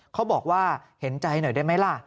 เขาบอกว่าเห็นใจหน่อยได้ไหมล่ะ